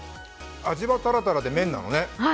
味はタラタラで麺なのね。